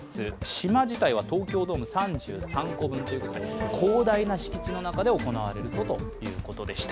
島自体は東京ドーム３３個分ということで広大な敷地の中で行われるということでした。